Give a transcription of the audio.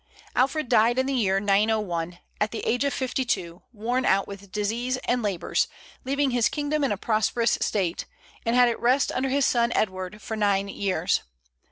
Alfred died in the year 901, at the age of fifty two, worn out with disease and labors, leaving his kingdom in a prosperous state; and it had rest under his son Edward for nine years.